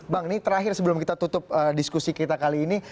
bang ini terakhir sebelum kita tutup diskusi kita kali ini